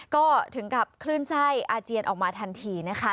ก็ถึงกับคลื่นไส้อาเจียนออกมาทันทีนะคะ